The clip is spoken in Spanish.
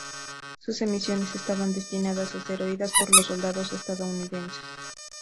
Sus emisiones estaban destinadas a ser oídas por los soldados estadounidenses.